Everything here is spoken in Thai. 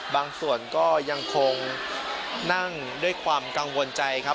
บางส่วนก็ยังคงนั่งด้วยความกังวลใจครับ